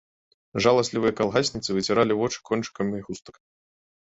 Жаласлівыя калгасніцы выціралі вочы кончыкамі хустак.